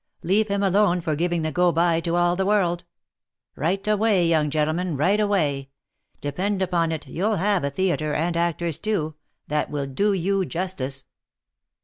Leave him alone for giving the go by to all the world. Write away, young gentleman, write away; depend upon it you'll have a theatre, and actors too, that will do you justice."